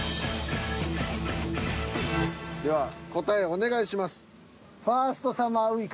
では答えお願いします。